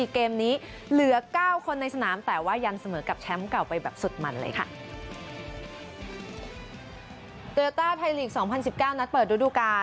เกมนี้เหลือ๙คนในสนามแต่ว่ายังเสมอกับแชมป์เก่าไปแบบสุดมันเลยค่ะ